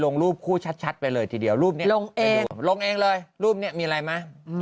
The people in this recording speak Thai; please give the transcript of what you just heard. ลงรูปคู่ชัดไปเลยทีเดี๋ยวรูปลงลงเองเลยรูปเนี่ยมีอะไรมะ